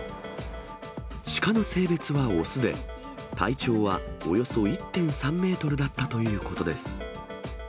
シカの性別は雄で、体長はおよそ１．３メートルだったということです。